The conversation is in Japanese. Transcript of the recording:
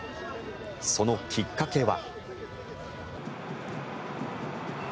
そのきっかけは。